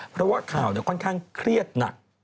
เพราะว่าข่าวค่อนข้างเครียดหนัก